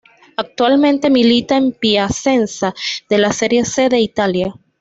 Actualmente milita en Piacenza de la Serie C de Italia.